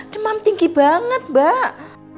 demam tinggi banget mbak